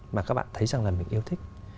mà các bạn thấy rằng là mình yêu thích